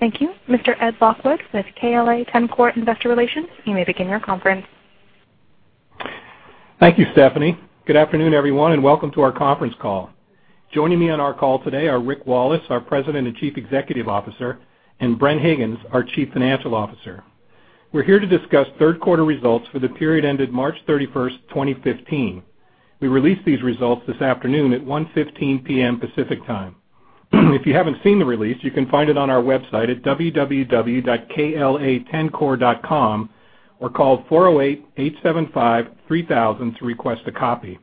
Thank you. Mr. Ed Lockwood with KLA-Tencor Investor Relations, you may begin your conference. Thank you, Stephanie. Good afternoon, everyone, and welcome to our conference call. Joining me on our call today are Rick Wallace, our President and Chief Executive Officer, and Bren Higgins, our Chief Financial Officer. We're here to discuss third quarter results for the period ended March 31st, 2015. We released these results this afternoon at 1:15 P.M. Pacific Time. If you haven't seen the release, you can find it on our website at www.kla-tencor.com or call 408-875-3000 to request a copy.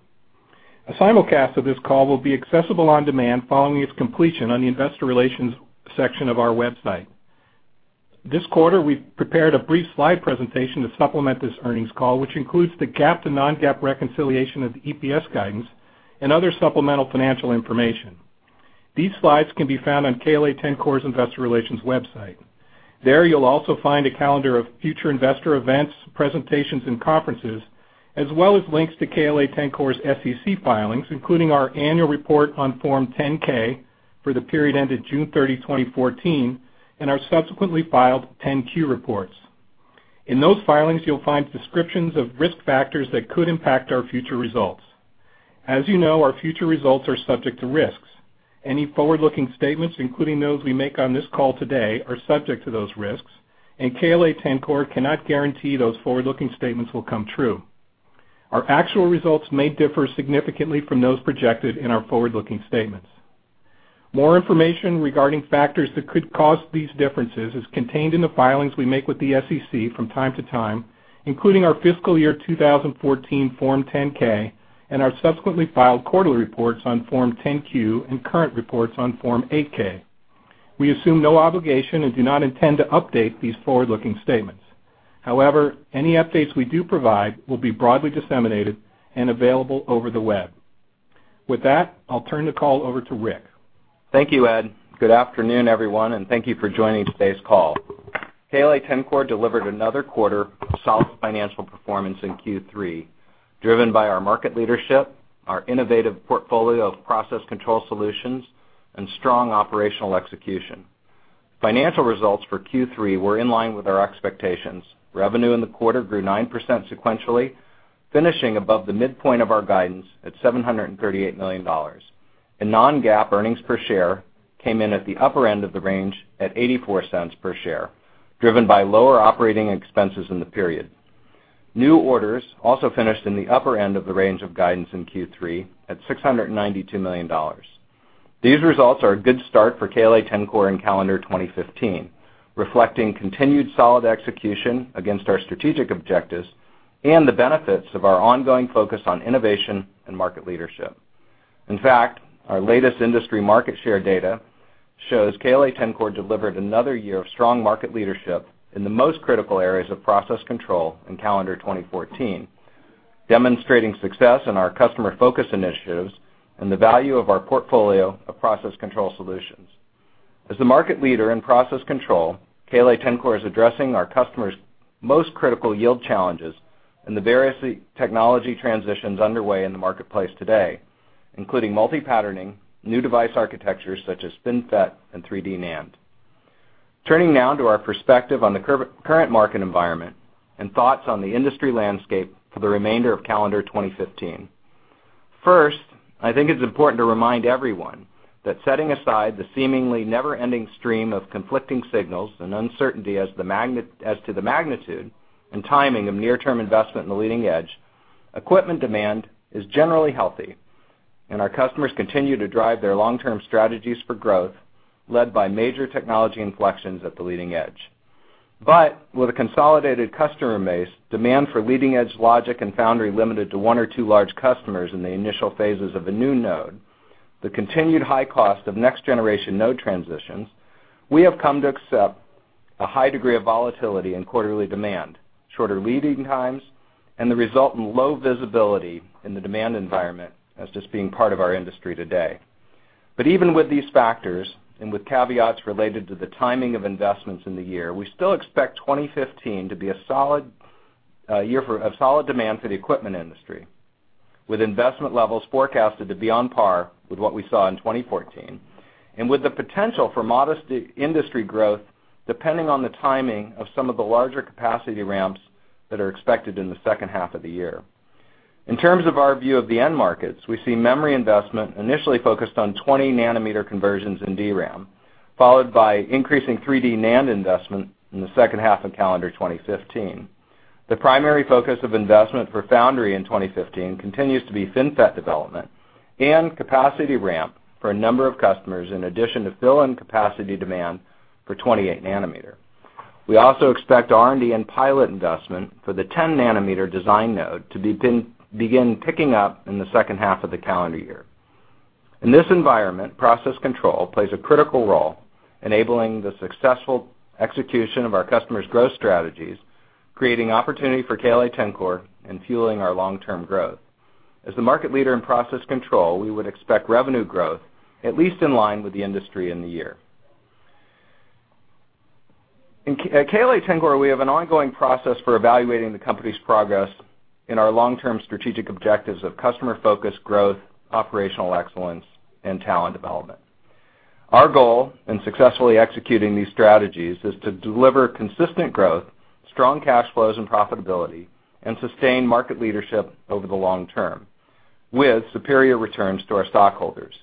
A simulcast of this call will be accessible on demand following its completion on the investor relations section of our website. This quarter, we've prepared a brief slide presentation to supplement this earnings call, which includes the GAAP to non-GAAP reconciliation of the EPS guidance and other supplemental financial information. These slides can be found on KLA-Tencor's investor relations website. There, you'll also find a calendar of future investor events, presentations, and conferences, as well as links to KLA-Tencor's SEC filings, including our annual report on Form 10-K for the period ended June 30, 2014, and our subsequently filed 10-Q reports. In those filings, you'll find descriptions of risk factors that could impact our future results. As you know, our future results are subject to risks. Any forward-looking statements, including those we make on this call today, are subject to those risks, and KLA-Tencor cannot guarantee those forward-looking statements will come true. Our actual results may differ significantly from those projected in our forward-looking statements. More information regarding factors that could cause these differences is contained in the filings we make with the SEC from time to time, including our fiscal year 2014 Form 10-K and our subsequently filed quarterly reports on Form 10-Q and current reports on Form 8-K. We assume no obligation and do not intend to update these forward-looking statements. However, any updates we do provide will be broadly disseminated and available over the web. With that, I'll turn the call over to Rick. Thank you, Ed. Good afternoon, everyone, and thank you for joining today's call. KLA-Tencor delivered another quarter of solid financial performance in Q3, driven by our market leadership, our innovative portfolio of process control solutions, and strong operational execution. Financial results for Q3 were in line with our expectations. Revenue in the quarter grew 9% sequentially, finishing above the midpoint of our guidance at $738 million. Non-GAAP earnings per share came in at the upper end of the range at $0.84 per share, driven by lower operating expenses in the period. New orders also finished in the upper end of the range of guidance in Q3 at $692 million. These results are a good start for KLA-Tencor in calendar 2015, reflecting continued solid execution against our strategic objectives and the benefits of our ongoing focus on innovation and market leadership. In fact, our latest industry market share data shows KLA-Tencor delivered another year of strong market leadership in the most critical areas of process control in calendar 2014, demonstrating success in our customer focus initiatives and the value of our portfolio of process control solutions. As the market leader in process control, KLA-Tencor is addressing our customers' most critical yield challenges and the various technology transitions underway in the marketplace today, including multi-patterning, new device architectures such as FinFET and 3D NAND. Turning now to our perspective on the current market environment and thoughts on the industry landscape for the remainder of calendar 2015. First, I think it's important to remind everyone that setting aside the seemingly never-ending stream of conflicting signals and uncertainty as to the magnitude and timing of near-term investment in the leading edge, equipment demand is generally healthy, and our customers continue to drive their long-term strategies for growth, led by major technology inflections at the leading edge. With a consolidated customer base, demand for leading edge logic and foundry limited to one or two large customers in the initial phases of a new node, the continued high cost of next generation node transitions, we have come to accept a high degree of volatility in quarterly demand, shorter lead times, and the resultant low visibility in the demand environment as just being part of our industry today. Even with these factors, and with caveats related to the timing of investments in the year, we still expect 2015 to be a year of solid demand for the equipment industry, with investment levels forecasted to be on par with what we saw in 2014, and with the potential for modest industry growth, depending on the timing of some of the larger capacity ramps that are expected in the second half of the year. In terms of our view of the end markets, we see memory investment initially focused on 20 nanometer conversions in DRAM, followed by increasing 3D NAND investment in the second half of calendar 2015. The primary focus of investment for foundry in 2015 continues to be FinFET development and capacity ramp for a number of customers in addition to fill-in capacity demand for 28 nanometer. We also expect R&D and pilot investment for the 10 nanometer design node to begin picking up in the second half of the calendar year. In this environment, process control plays a critical role enabling the successful execution of our customers' growth strategies, creating opportunity for KLA-Tencor and fueling our long-term growth. As the market leader in process control, we would expect revenue growth at least in line with the industry in the year. At KLA-Tencor, we have an ongoing process for evaluating the company's progress in our long-term strategic objectives of customer focus, growth, operational excellence, and talent development. Our goal in successfully executing these strategies is to deliver consistent growth, strong cash flows and profitability, and sustain market leadership over the long term with superior returns to our stockholders.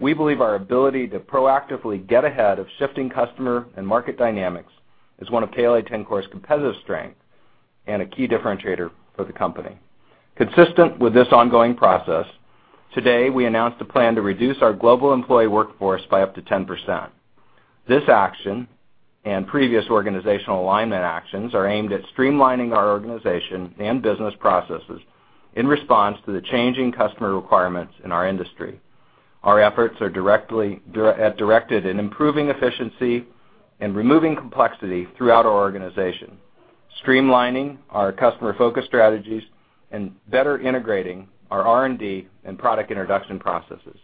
We believe our ability to proactively get ahead of shifting customer and market dynamics is one of KLA-Tencor's competitive strength and a key differentiator for the company. Consistent with this ongoing process, today, we announced a plan to reduce our global employee workforce by up to 10%. This action and previous organizational alignment actions are aimed at streamlining our organization and business processes in response to the changing customer requirements in our industry. Our efforts are directed in improving efficiency and removing complexity throughout our organization, streamlining our customer focus strategies, and better integrating our R&D and product introduction processes.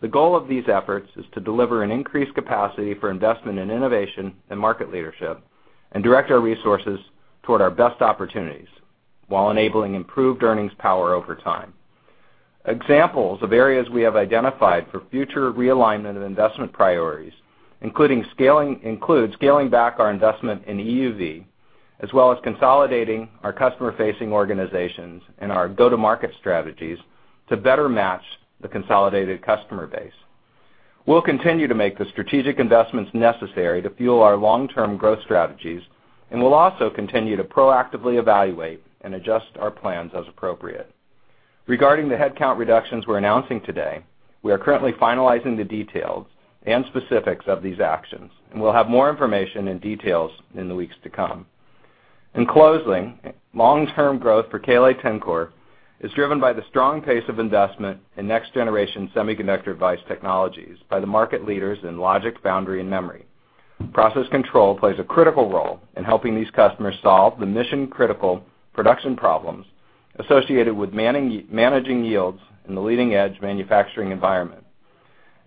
The goal of these efforts is to deliver an increased capacity for investment in innovation and market leadership, and direct our resources toward our best opportunities while enabling improved earnings power over time. Examples of areas we have identified for future realignment of investment priorities, includes scaling back our investment in EUV, as well as consolidating our customer-facing organizations and our go-to-market strategies to better match the consolidated customer base. We'll continue to make the strategic investments necessary to fuel our long-term growth strategies. We'll also continue to proactively evaluate and adjust our plans as appropriate. Regarding the headcount reductions we're announcing today, we are currently finalizing the details and specifics of these actions. We'll have more information and details in the weeks to come. In closing, long-term growth for KLA-Tencor is driven by the strong pace of investment in next-generation semiconductor device technologies by the market leaders in logic, foundry, and memory. Process control plays a critical role in helping these customers solve the mission-critical production problems associated with managing yields in the leading-edge manufacturing environment.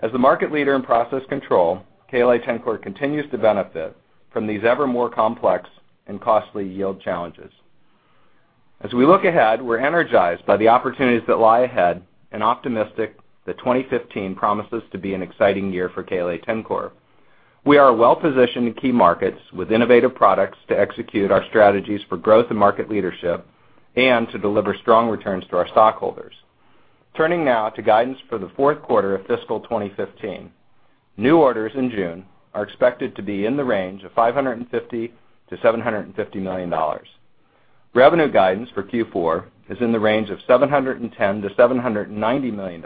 As the market leader in process control, KLA-Tencor continues to benefit from these ever more complex and costly yield challenges. As we look ahead, we're energized by the opportunities that lie ahead and optimistic that 2015 promises to be an exciting year for KLA-Tencor. We are well-positioned in key markets with innovative products to execute our strategies for growth and market leadership and to deliver strong returns to our stockholders. Turning now to guidance for the fourth quarter of fiscal 2015. New orders in June are expected to be in the range of $550 million-$750 million. Revenue guidance for Q4 is in the range of $710 million-$790 million.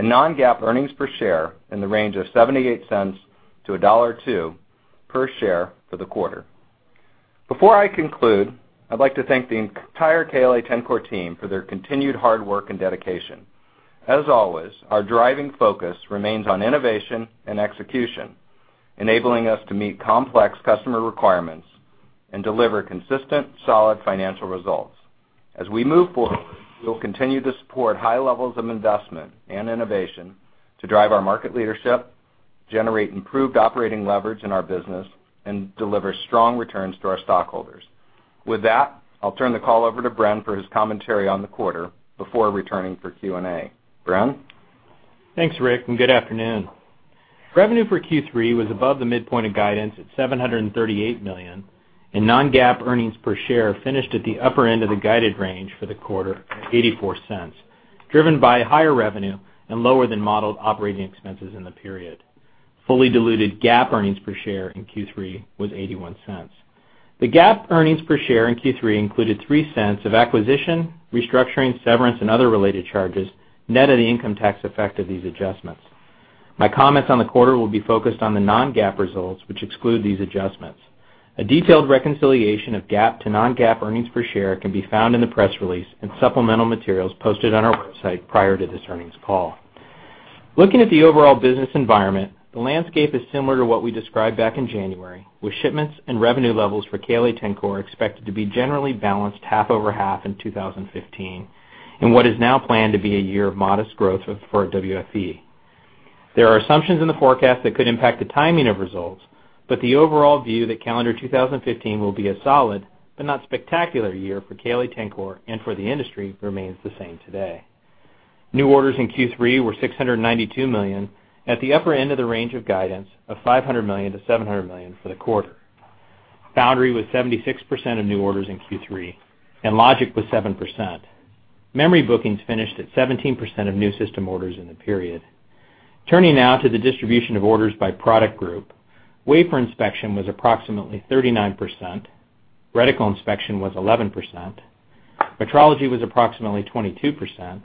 Non-GAAP earnings per share in the range of $0.78-$1.02 per share for the quarter. Before I conclude, I'd like to thank the entire KLA-Tencor team for their continued hard work and dedication. As always, our driving focus remains on innovation and execution, enabling us to meet complex customer requirements and deliver consistent, solid financial results. As we move forward, we will continue to support high levels of investment and innovation to drive our market leadership, generate improved operating leverage in our business, and deliver strong returns to our stockholders. With that, I'll turn the call over to Bren for his commentary on the quarter before returning for Q&A. Bren? Thanks, Rick, and good afternoon. Revenue for Q3 was above the midpoint of guidance at $738 million, and non-GAAP earnings per share finished at the upper end of the guided range for the quarter at $0.84, driven by higher revenue and lower than modeled operating expenses in the period. Fully diluted GAAP earnings per share in Q3 was $0.81. The GAAP earnings per share in Q3 included $0.03 of acquisition, restructuring, severance, and other related charges, net of the income tax effect of these adjustments. My comments on the quarter will be focused on the non-GAAP results, which exclude these adjustments. A detailed reconciliation of GAAP to non-GAAP earnings per share can be found in the press release and supplemental materials posted on our website prior to this earnings call. Looking at the overall business environment, the landscape is similar to what we described back in January, with shipments and revenue levels for KLA-Tencor expected to be generally balanced half over half in 2015, in what is now planned to be a year of modest growth for WFE. There are assumptions in the forecast that could impact the timing of results, but the overall view that calendar 2015 will be a solid but not spectacular year for KLA-Tencor and for the industry remains the same today. New orders in Q3 were $692 million, at the upper end of the range of guidance of $500 million-$700 million for the quarter. Foundry was 76% of new orders in Q3, and logic was 7%. Memory bookings finished at 17% of new system orders in the period. Turning now to the distribution of orders by product group. Wafer inspection was approximately 39%, reticle inspection was 11%, metrology was approximately 22%,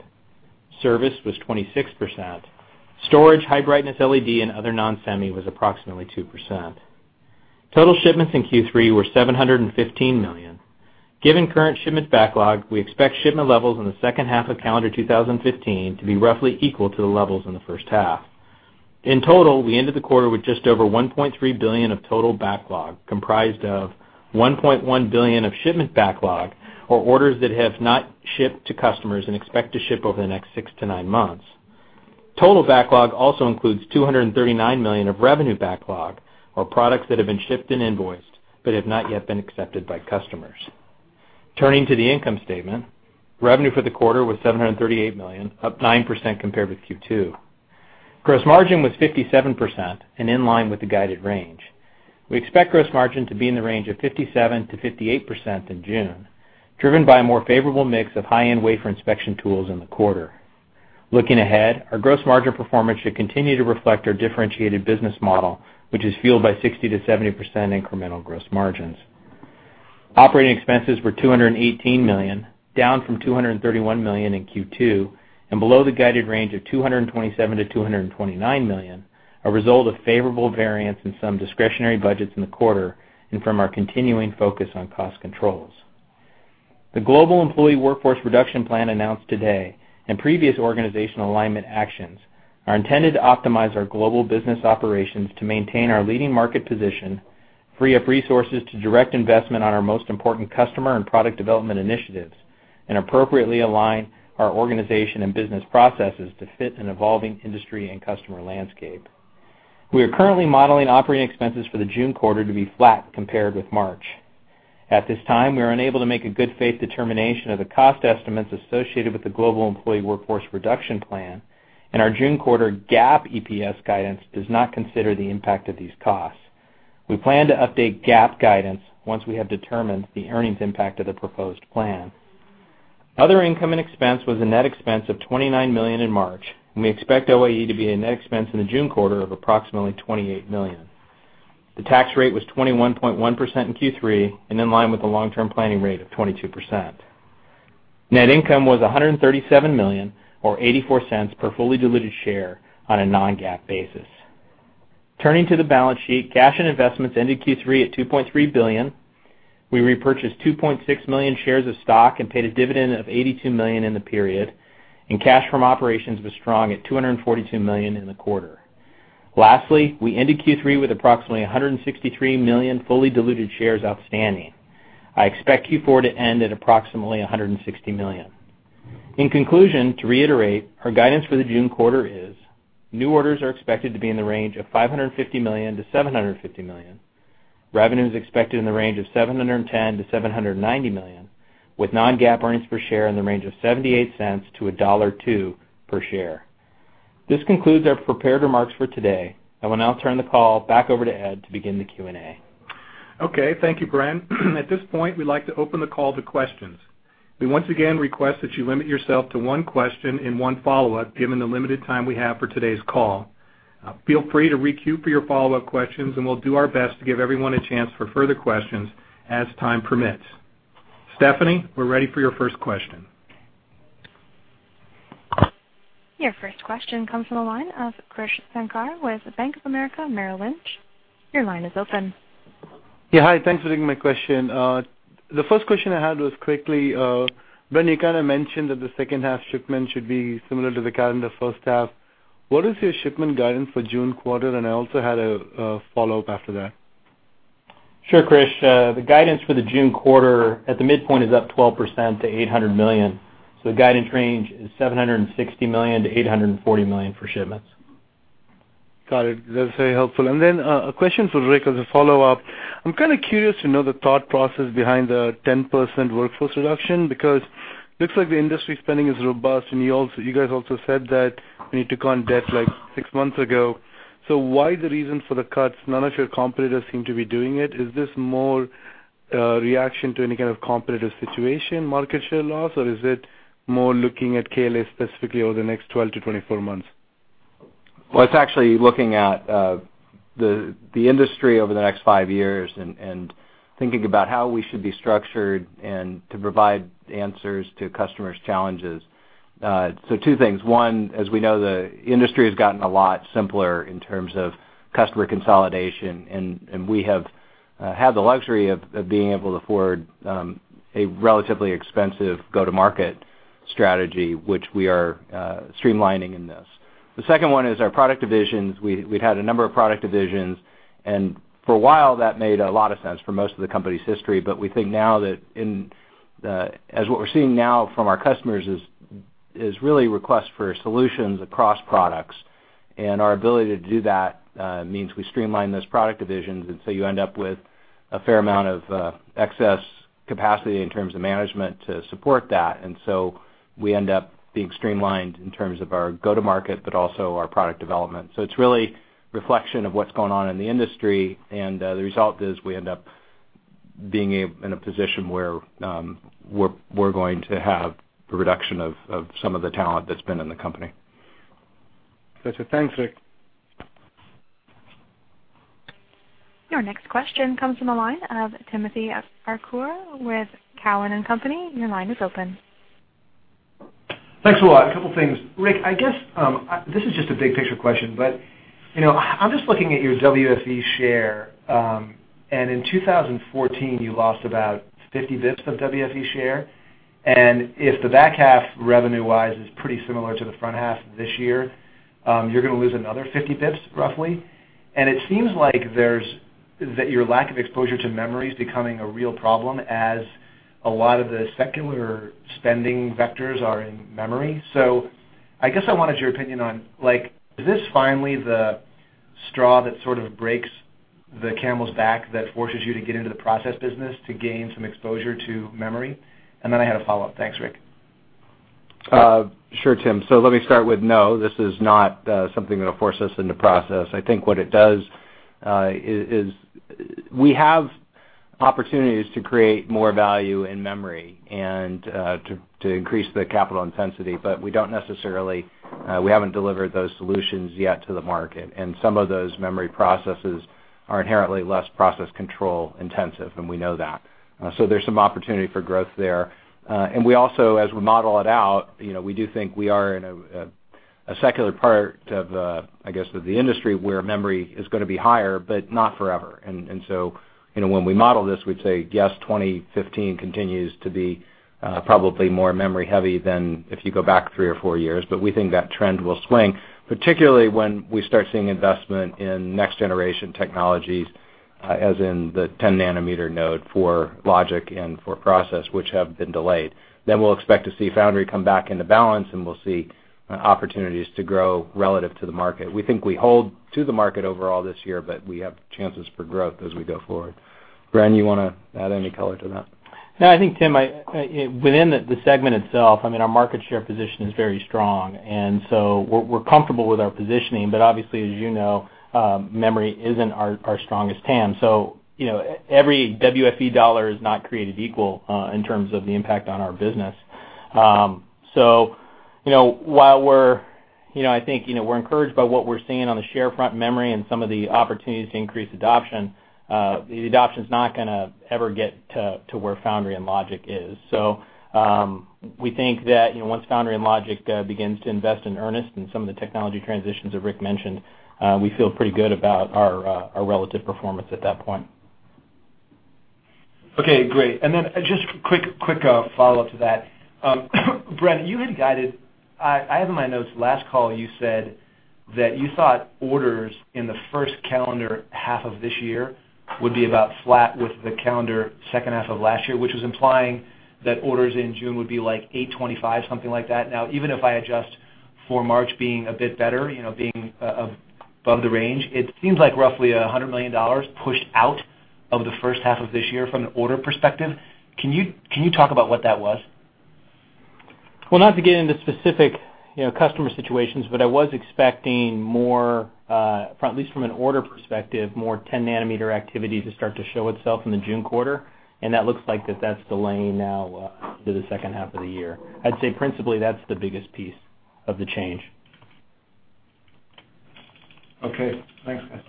service was 26%, storage, high brightness LED, and other non-semi was approximately 2%. Total shipments in Q3 were $715 million. Given current shipment backlog, we expect shipment levels in the second half of calendar 2015 to be roughly equal to the levels in the first half. In total, we ended the quarter with just over $1.3 billion of total backlog, comprised of $1.1 billion of shipment backlog or orders that have not shipped to customers and expect to ship over the next six to nine months. Total backlog also includes $239 million of revenue backlog, or products that have been shipped and invoiced but have not yet been accepted by customers. Turning to the income statement. Revenue for the quarter was $738 million, up 9% compared with Q2. Gross margin was 57% and in line with the guided range. We expect gross margin to be in the range of 57%-58% in June, driven by a more favorable mix of high-end wafer inspection tools in the quarter. Looking ahead, our gross margin performance should continue to reflect our differentiated business model, which is fueled by 60%-70% incremental gross margins. Operating expenses were $218 million, down from $231 million in Q2, and below the guided range of $227 million-$229 million, a result of favorable variance in some discretionary budgets in the quarter and from our continuing focus on cost controls. The global employee workforce reduction plan announced today and previous organizational alignment actions are intended to optimize our global business operations to maintain our leading market position, free up resources to direct investment on our most important customer and product development initiatives, and appropriately align our organization and business processes to fit an evolving industry and customer landscape. We are currently modeling operating expenses for the June quarter to be flat compared with March. At this time, we are unable to make a good faith determination of the cost estimates associated with the global employee workforce reduction plan, and our June quarter GAAP EPS guidance does not consider the impact of these costs. We plan to update GAAP guidance once we have determined the earnings impact of the proposed plan. Other income and expense was a net expense of $29 million in March, and we expect OIE to be a net expense in the June quarter of approximately $28 million. The tax rate was 21.1% in Q3 and in line with the long-term planning rate of 22%. Net income was $137 million, or $0.84 per fully diluted share on a non-GAAP basis. Turning to the balance sheet, cash and investments ended Q3 at $2.3 billion. We repurchased 2.6 million shares of stock and paid a dividend of $82 million in the period, and cash from operations was strong at $242 million in the quarter. Lastly, we ended Q3 with approximately 163 million fully diluted shares outstanding. I expect Q4 to end at approximately 160 million. In conclusion, to reiterate, our guidance for the June quarter is new orders are expected to be in the range of $550 million-$750 million. Revenue is expected in the range of $710 million-$790 million, with non-GAAP earnings per share in the range of $0.78-$1.02 per share. This concludes our prepared remarks for today. I will now turn the call back over to Ed to begin the Q&A. Okay, thank you, Bren. At this point, we'd like to open the call to questions. We once again request that you limit yourself to one question and one follow-up, given the limited time we have for today's call. Feel free to re-queue for your follow-up questions, and we'll do our best to give everyone a chance for further questions as time permits. Stephanie, we're ready for your first question. Your first question comes from the line of Krish Sankar with Bank of America Merrill Lynch. Your line is open. Yeah, hi. Thanks for taking my question. The first question I had was quickly, Bren, you kind of mentioned that the second half shipment should be similar to the calendar first half. What is your shipment guidance for June quarter? I also had a follow-up after that. Sure, Krish. The guidance for the June quarter at the midpoint is up 12% to $800 million. The guidance range is $760 million-$840 million for shipments. Got it. That's very helpful. A question for Rick as a follow-up. I'm kind of curious to know the thought process behind the 10% workforce reduction, because looks like the industry spending is robust, and you guys also said that when you took on debt like six months ago. Why the reason for the cuts? None of your competitors seem to be doing it. Is this more a reaction to any kind of competitive situation, market share loss, or is it more looking at KLA specifically over the next 12 to 24 months? Well, it's actually looking at the industry over the next five years and thinking about how we should be structured and to provide answers to customers' challenges. Two things. One, as we know, the industry has gotten a lot simpler in terms of customer consolidation, we have had the luxury of being able to afford a relatively expensive go-to-market strategy, which we are streamlining in this. The second one is our product divisions. We've had a number of product divisions, for a while, that made a lot of sense for most of the company's history. We think now that as what we're seeing now from our customers is really requests for solutions across products. Our ability to do that means we streamline those product divisions, you end up with a fair amount of excess capacity in terms of management to support that. We end up being streamlined in terms of our go-to-market, also our product development. It's really a reflection of what's going on in the industry, the result is we end up being in a position where we're going to have a reduction of some of the talent that's been in the company. Gotcha. Thanks, Rick. Your next question comes from the line of Timothy Arcuri with Cowen and Company. Your line is open. Thanks a lot. A couple of things. Rick, I guess, this is just a big picture question, but I'm just looking at your WFE share. In 2014, you lost about 50 basis points of WFE share, and if the back half revenue-wise is pretty similar to the front half of this year, you're going to lose another 50 basis points roughly. Is that your lack of exposure to memory is becoming a real problem as a lot of the secular spending vectors are in memory? I guess I wanted your opinion on, is this finally the straw that sort of breaks the camel's back that forces you to get into the process business to gain some exposure to memory? Then I had a follow-up. Thanks, Rick. Sure, Tim. Let me start with no, this is not something that'll force us into process. I think what it does is we have opportunities to create more value in memory and to increase the capital intensity. We haven't delivered those solutions yet to the market, and some of those memory processes are inherently less process control intensive, and we know that. There's some opportunity for growth there. We also, as we model it out, we do think we are in a secular part of the industry where memory is going to be higher, but not forever. When we model this, we'd say, yes, 2015 continues to be probably more memory heavy than if you go back three or four years. We think that trend will swing, particularly when we start seeing investment in next-generation technologies, as in the 10 nanometer node for logic and for process, which have been delayed. We'll expect to see foundry come back into balance, and we'll see opportunities to grow relative to the market. We think we hold to the market overall this year, but we have chances for growth as we go forward. Bren, you want to add any color to that? I think, Tim, within the segment itself, our market share position is very strong, we're comfortable with our positioning. Obviously, as you know, memory isn't our strongest hand. Every WFE dollar is not created equal, in terms of the impact on our business. I think we're encouraged by what we're seeing on the share front memory and some of the opportunities to increase adoption. The adoption's not going to ever get to where foundry and logic is. We think that once foundry and logic begins to invest in earnest in some of the technology transitions that Rick mentioned, we feel pretty good about our relative performance at that point. Okay, great. Just quick follow-up to that. Bren, I have in my notes, last call you said that you thought orders in the first calendar half of this year would be about flat with the calendar second half of last year, which was implying that orders in June would be like $825, something like that. Even if I adjust for March being a bit better, being above the range, it seems like roughly $100 million pushed out of the first half of this year from the order perspective. Can you talk about what that was? Not to get into specific customer situations, I was expecting more, at least from an order perspective, more 10 nanometer activity to start to show itself in the June quarter, that looks like that's delaying now to the second half of the year. I'd say principally that's the biggest piece of the change. Okay. Thanks, guys.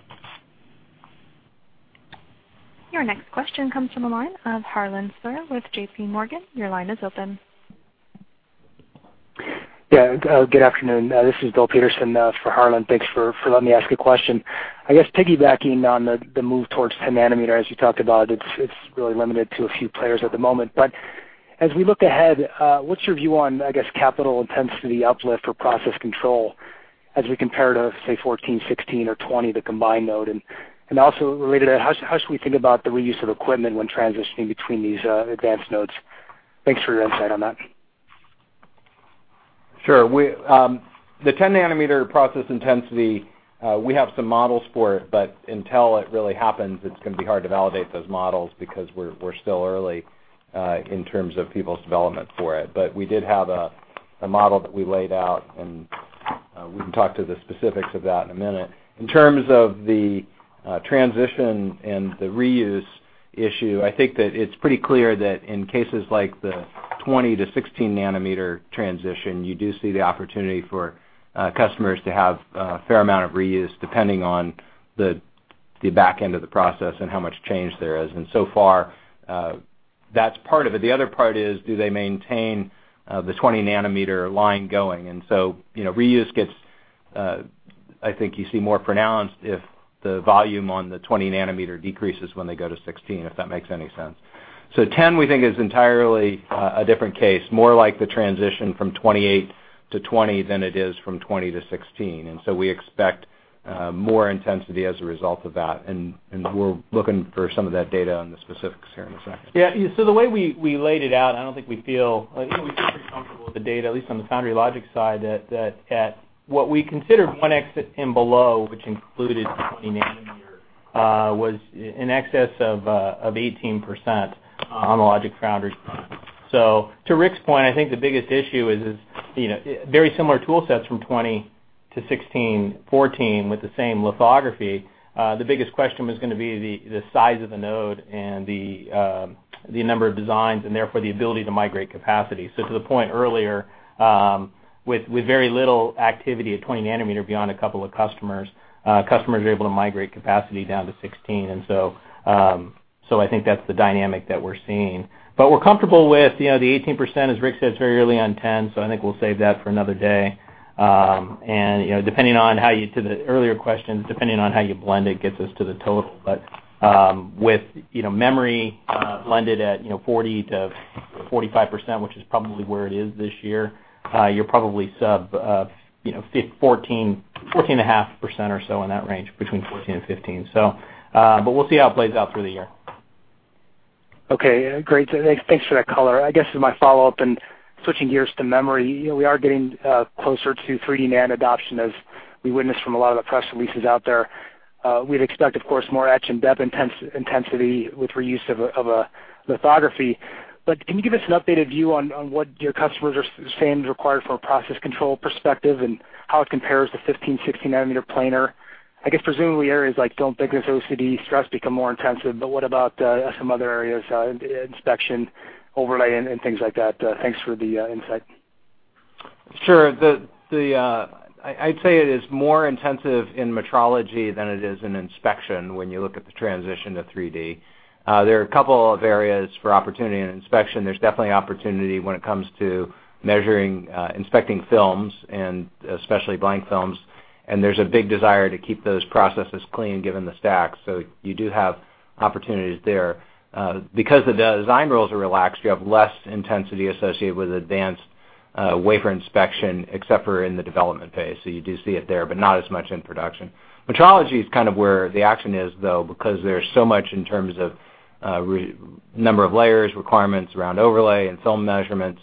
Your next question comes from the line of Harlan Sur with J.P. Morgan. Your line is open. Yeah. Good afternoon. This is Bill Peterson for Harlan. Thanks for letting me ask a question. Piggybacking on the move towards 10 nanometer, as you talked about, it's really limited to a few players at the moment. As we look ahead, what's your view on, I guess, capital intensity uplift for process control as we compare to, say, 14, 16 or 20, the combined node? Also related to that, how should we think about the reuse of equipment when transitioning between these advanced nodes? Thanks for your insight on that. Sure. The 10 nanometer process intensity, we have some models for it, until it really happens, it's going to be hard to validate those models because we're still early in terms of people's development for it. We did have a model that we laid out, we can talk to the specifics of that in a minute. In terms of the transition and the reuse issue, I think that it's pretty clear that in cases like the 20 to 16 nanometer transition, you do see the opportunity for customers to have a fair amount of reuse, depending on the back end of the process and how much change there is. So far, that's part of it. The other part is, do they maintain the 20 nanometer line going? Reuse, I think you see more pronounced if the volume on the 20 nanometer decreases when they go to 16, if that makes any sense. 10, we think, is entirely a different case. More like the transition from 28 to 20 than it is from 20 to 16. We expect more intensity as a result of that, we're looking for some of that data on the specifics here in a second. Yeah. The way we laid it out, we feel pretty comfortable with the data, at least on the foundry logic side, that at what we considered 1x and below, which included 20 nanometer, was in excess of 18% on the logic foundry. To Rick's point, I think the biggest issue is very similar tool sets from 20 to 16, 14 with the same lithography. The biggest question was going to be the size of the node and the number of designs, and therefore the ability to migrate capacity. To the point earlier, with very little activity at 20 nanometer beyond a couple of customers are able to migrate capacity down to 16. I think that's the dynamic that we're seeing. We're comfortable with the 18%, as Rick said, it's very early on 10, I think we'll save that for another day. To the earlier questions, depending on how you blend it, gets us to the total. With memory blended at 40%-45%, which is probably where it is this year, you're probably sub 14.5% or so in that range between 14 and 15. We'll see how it plays out through the year. Okay, great. Thanks for that color. I guess as my follow-up, switching gears to memory, we are getting closer to 3D NAND adoption as we witness from a lot of the press releases out there. We'd expect, of course, more etch and depth intensity with reuse of a lithography. Can you give us an updated view on what your customers are saying is required from a process control perspective and how it compares to 15, 16 nanometer planar? I guess presumably areas like film thickness, OCD, stress become more intensive, what about some other areas, inspection, overlay, and things like that? Thanks for the insight. Sure. I'd say it is more intensive in metrology than it is in inspection when you look at the transition to 3D. There are a couple of areas for opportunity in inspection. There's definitely opportunity when it comes to measuring, inspecting films and especially blank films. There's a big desire to keep those processes clean, given the stack. You do have opportunities there. Because the design rules are relaxed, you have less intensity associated with advanced wafer inspection, except for in the development phase. You do see it there, not as much in production. Metrology is kind of where the action is, though, because there's so much in terms of number of layers, requirements around overlay and film measurements.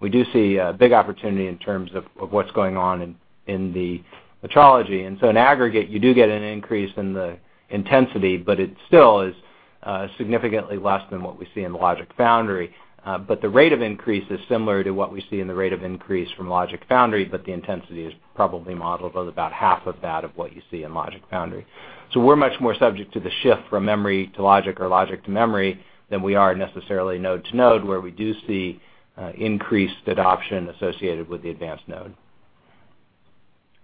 We do see a big opportunity in terms of what's going on in the metrology. In aggregate, you do get an increase in the intensity, it still is significantly less than what we see in logic foundry. The rate of increase is similar to what we see in the rate of increase from logic foundry, but the intensity is probably modeled at about half of that of what you see in logic foundry. We're much more subject to the shift from memory to logic or logic to memory than we are necessarily node to node, where we do see increased adoption associated with the advanced node.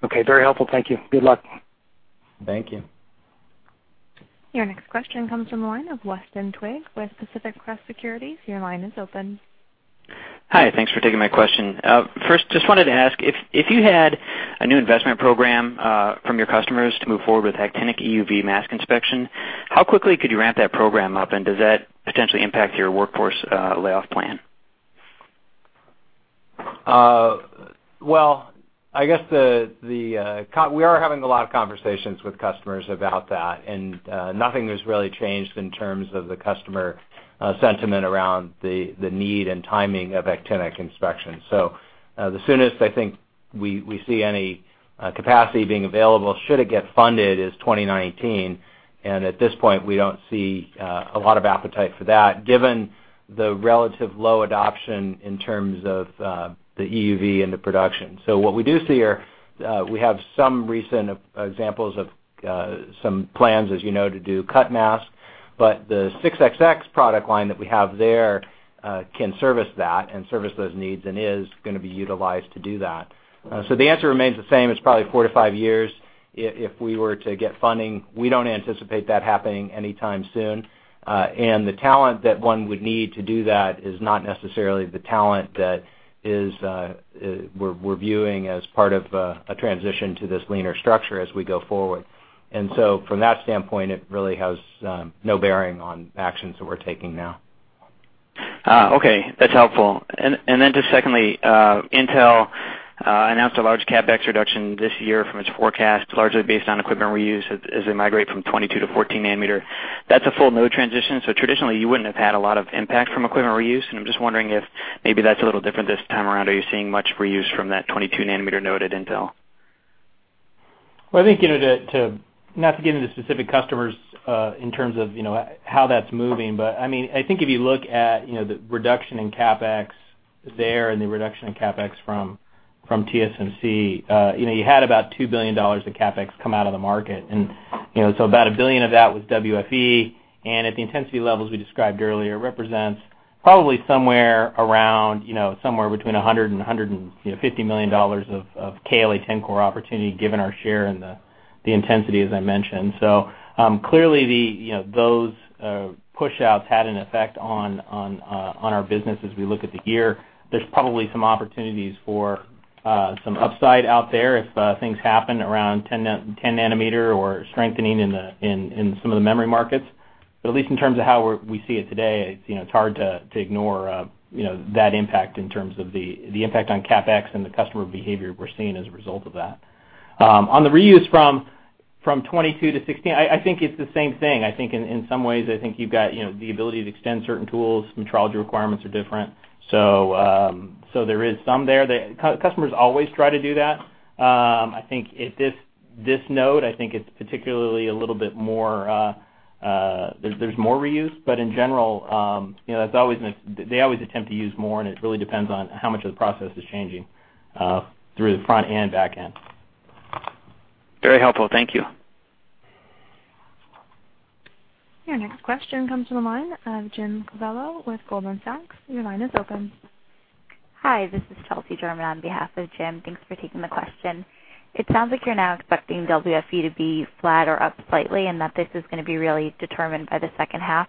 Okay, very helpful. Thank you. Good luck. Thank you. Your next question comes from the line of Weston Twigg with Pacific Crest Securities. Your line is open. Hi, thanks for taking my question. First, just wanted to ask, if you had a new investment program from your customers to move forward with actinic EUV mask inspection, how quickly could you ramp that program up? Does that potentially impact your workforce layoff plan? Well, I guess we are having a lot of conversations with customers about that, nothing has really changed in terms of the customer sentiment around the need and timing of actinic inspection. The soonest I think we see any capacity being available should it get funded is 2019. At this point, we don't see a lot of appetite for that given the relative low adoption in terms of the EUV and the production. What we do see are, we have some recent examples of some plans, as you know, to do cut masks. The 6xx product line that we have there can service that and service those needs and is going to be utilized to do that. The answer remains the same. It's probably four to five years if we were to get funding. We don't anticipate that happening anytime soon. The talent that one would need to do that is not necessarily the talent that we're viewing as part of a transition to this leaner structure as we go forward. From that standpoint, it really has no bearing on actions that we're taking now. Okay, that's helpful. Just secondly, Intel announced a large CapEx reduction this year from its forecast, largely based on equipment reuse as they migrate from 22 to 14 nanometer. That's a full node transition, traditionally you wouldn't have had a lot of impact from equipment reuse, I'm just wondering if maybe that's a little different this time around. Are you seeing much reuse from that 22 nanometer node at Intel? I think, not to get into specific customers in terms of how that's moving, but I think if you look at the reduction in CapEx there and the reduction in CapEx from TSMC, you had about $2 billion of CapEx come out of the market, about $1 billion of that was WFE. At the intensity levels we described earlier, represents probably somewhere between $100 million-$150 million of KLA-Tencor opportunity, given our share and the intensity, as I mentioned. Clearly, those pushouts had an effect on our business as we look at the year. There's probably some opportunities for some upside out there if things happen around 10 nanometer or strengthening in some of the memory markets. At least in terms of how we see it today, it's hard to ignore that impact in terms of the impact on CapEx and the customer behavior we're seeing as a result of that. On the reuse from 22 to 14, I think it's the same thing. I think in some ways, I think you've got the ability to extend certain tools. Metrology requirements are different. There is some there. Customers always try to do that. I think at this node, I think it's particularly a little bit more, there's more reuse. In general, they always attempt to use more, and it really depends on how much of the process is changing through the front and back end. Very helpful. Thank you. Your next question comes from the line of James Covello with Goldman Sachs. Your line is open. Hi, this is Chelsea Jurman on behalf of Jim. Thanks for taking the question. It sounds like you're now expecting WFE to be flat or up slightly, that this is going to be really determined by the second half.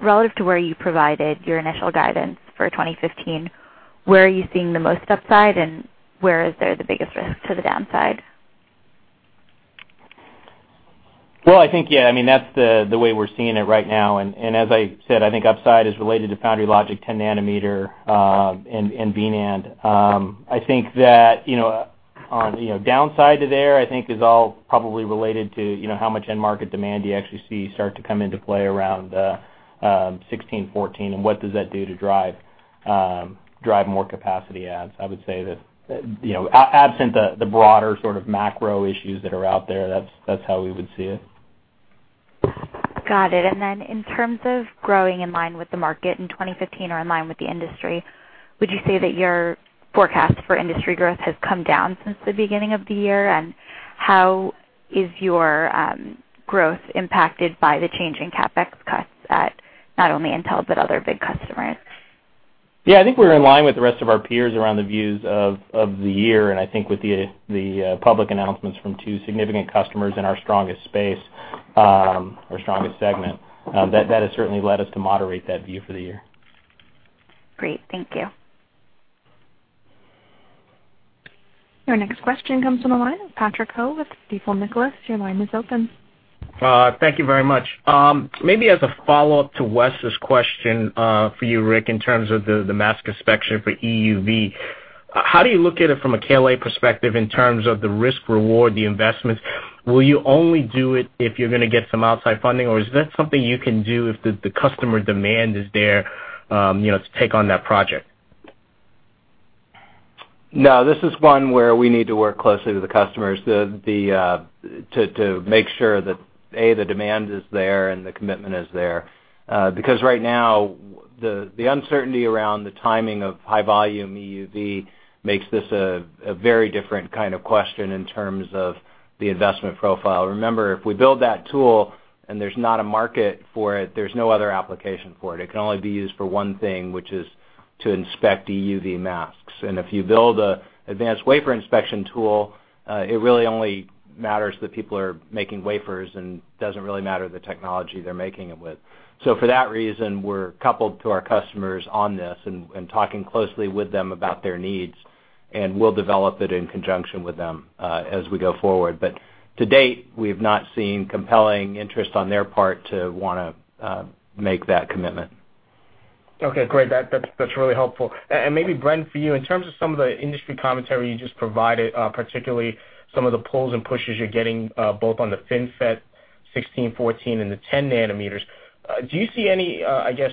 Relative to where you provided your initial guidance for 2015, where are you seeing the most upside, and where is there the biggest risk to the downside? I think, that's the way we're seeing it right now, As I said, I think upside is related to foundry logic, 10 nanometer, and V-NAND. On downside to there, I think is all probably related to how much end market demand you actually see start to come into play around 16, 14, What does that do to drive more capacity adds. I would say that, absent the broader sort of macro issues that are out there, that's how we would see it. Got it. Then in terms of growing in line with the market in 2015, or in line with the industry, would you say that your forecast for industry growth has come down since the beginning of the year? How is your growth impacted by the change in CapEx cuts at not only Intel, but other big customers? I think we're in line with the rest of our peers around the views of the year, I think with the public announcements from two significant customers in our strongest space, our strongest segment, that has certainly led us to moderate that view for the year. Great. Thank you. Your next question comes from the line of Patrick Ho with Stifel, Nicolaus. Your line is open. Thank you very much. Maybe as a follow-up to Wes' question, for you, Rick, in terms of the mask inspection for EUV, how do you look at it from a KLA perspective in terms of the risk-reward, the investments? Will you only do it if you're going to get some outside funding, or is that something you can do if the customer demand is there, to take on that project? No, this is one where we need to work closely with the customers, to make sure that, A, the demand is there and the commitment is there. Because right now the uncertainty around the timing of high volume EUV makes this a very different kind of question in terms of the investment profile. Remember, if we build that tool and there's not a market for it, there's no other application for it. It can only be used for one thing, which is to inspect EUV masks. If you build an advanced wafer inspection tool, it really only matters that people are making wafers and doesn't really matter the technology they're making it with. For that reason, we're coupled to our customers on this and talking closely with them about their needs, and we'll develop it in conjunction with them, as we go forward. To date, we have not seen compelling interest on their part to want to make that commitment. Okay, great. That's really helpful. Maybe Bren, for you, in terms of some of the industry commentary you just provided, particularly some of the pulls and pushes you're getting, both on the FinFET 16, 14, and the 10 nanometers. Do you see any, I guess,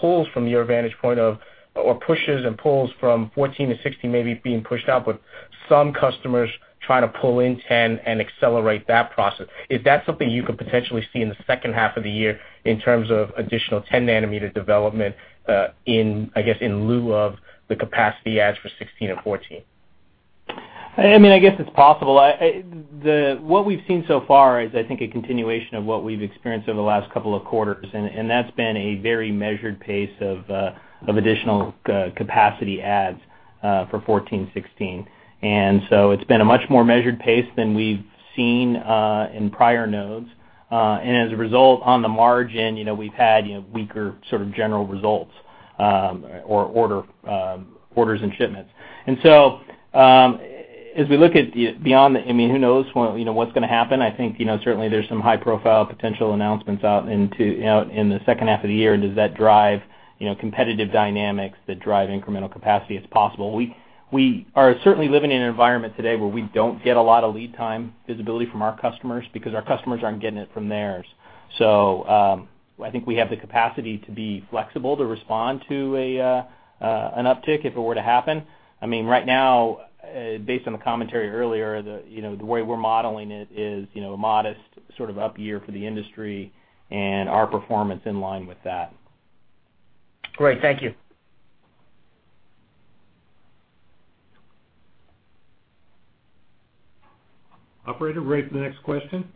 pulls from your vantage point of, or pushes and pulls from 14 to 16 maybe being pushed out, but some customers trying to pull in 10 and accelerate that process. Is that something you could potentially see in the second half of the year in terms of additional 10-nanometer development, in lieu of the capacity adds for 16 and 14? I guess it's possible. What we've seen so far is, I think, a continuation of what we've experienced over the last couple of quarters, and that's been a very measured pace of additional capacity adds for 14, 16. So it's been a much more measured pace than we've seen in prior nodes. As a result, on the margin, we've had weaker sort of general results, or orders and shipments. So, as we look at beyond the, who knows what's going to happen. I think, certainly there's some high profile potential announcements out in the second half of the year. Does that drive competitive dynamics that drive incremental capacity? It's possible. We are certainly living in an environment today where we don't get a lot of lead time visibility from our customers because our customers aren't getting it from theirs. I think we have the capacity to be flexible to respond to an uptick if it were to happen. Right now, based on the commentary earlier, the way we're modeling it is a modest sort of up year for the industry and our performance in line with that. Great. Thank you. Operator, ready for the next question.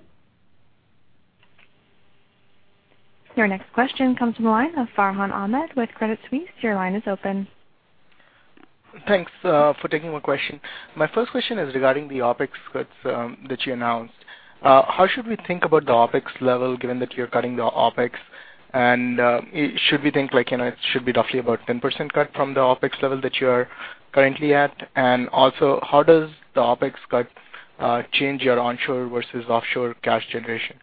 Your next question comes from the line of Farhan Ahmad with Credit Suisse. Your line is open. Thanks for taking my question. My first question is regarding the OpEx cuts that you announced. How should we think about the OpEx level given that you're cutting the OpEx? Should we think like, it should be roughly about 10% cut from the OpEx level that you are currently at? Also, how does the OpEx cut change your onshore versus offshore cash generation?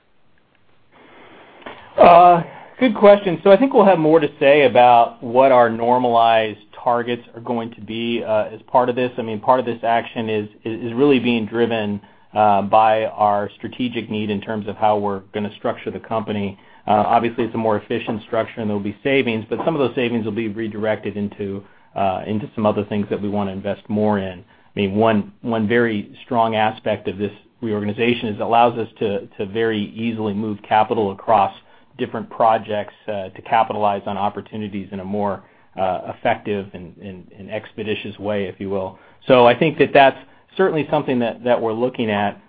Good question. I think we'll have more to say about what our normalized targets are going to be as part of this. Part of this action is really being driven by our strategic need in terms of how we're going to structure the company. Obviously, it's a more efficient structure and there'll be savings, but some of those savings will be redirected into some other things that we want to invest more in. One very strong aspect of this reorganization is it allows us to very easily move capital across different projects, to capitalize on opportunities in a more effective and expeditious way, if you will. I think that that's certainly something that we're looking at.